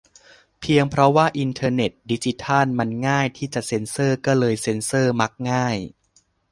เพียงเพราะว่าอินเทอร์เน็ต-ดิจิทัล มัน "ง่าย" ที่จะเซ็นเซอร์ ก็เลยเซ็นเซอร์ ?"มักง่าย"